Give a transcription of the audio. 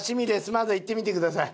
まずはいってみてください。